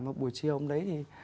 mà buổi chiều hôm đấy thì